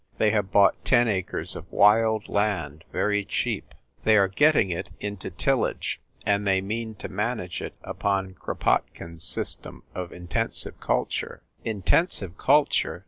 They have bought ten acres of wild land very cheap ; they are getting it into tillage ; and they mean to manage it upon Kropotkine's system of in tensive culture." Intensive culture